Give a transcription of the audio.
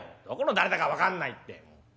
「『どこの誰だか分かんない』って。